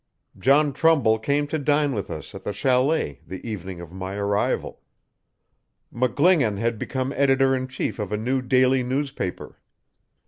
John Trumbull came to dine with us at the chalet the evening of my arrival. McGlingan had become editor in chief of a new daily newspaper.